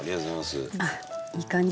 あっいい感じ。